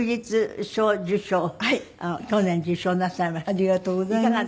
ありがとうございます。